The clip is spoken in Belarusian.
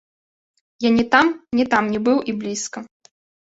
Я ні там, ні там не быў і блізка!